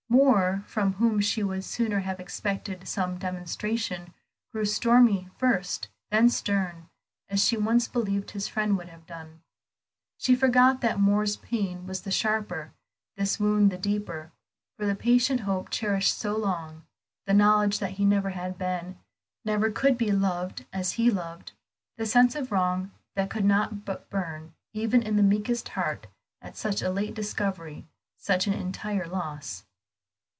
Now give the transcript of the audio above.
Moor, from whom she would sooner have expected such demonstration, grew stormy first, then stern, as she once believed his friend would have done. She forgot that Moor's pain was the sharper, his wound the deeper, for the patient hope cherished so long; the knowledge that he never had been, never could be loved as he loved; the sense of wrong that could not but burn even in the meekest heart at such a late discovery, such an entire loss.